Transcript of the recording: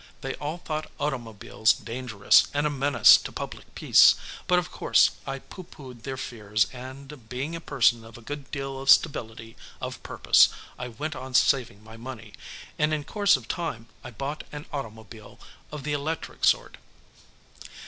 They all thought automobiles dangerous and a menace to public peace, but of course I pooh poohed their fears and, being a person of a good deal of stability of purpose, I went on saving my money, and in course of time I bought an automobile of the electric sort.